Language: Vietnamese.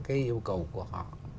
cái yêu cầu của họ